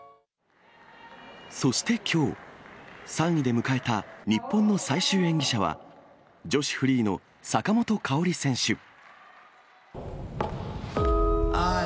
そしてきょう、３位で迎えた日本の最終演技者は、女子フリーの坂本花織選手。